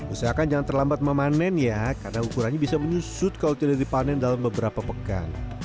usahakan jangan terlambat memanen ya karena ukurannya bisa menyusut kalau tidak dipanen dalam beberapa pekan